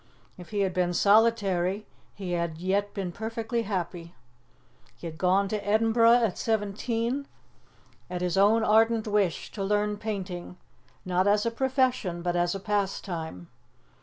If he had been solitary, he had yet been perfectly happy. He had gone to Edinburgh at seventeen, at his own ardent wish, to learn painting, not as a profession, but as a pastime.